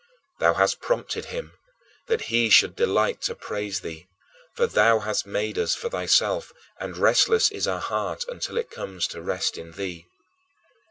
Thou hast prompted him, that he should delight to praise thee, for thou hast made us for thyself and restless is our heart until it comes to rest in thee.